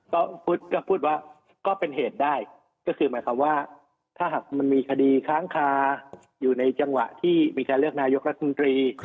ก็พูดว่าก็เป็นเหตุได้ก็คือหมายความว่าถ้าหากมันมีคดีค้างคาอยู่ในจังหวะที่มีการเลือกนายกรัฐมนตรี